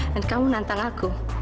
dan kamu nantang aku